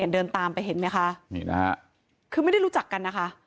เดินตามไปเห็นไหมคะนี่นะฮะคือไม่ได้รู้จักกันนะคะ